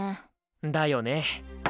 だよね。